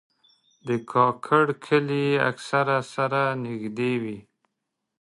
د کاکړ کلي اکثره سره نږدې وي.